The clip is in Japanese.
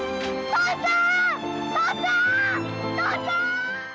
父ちゃん！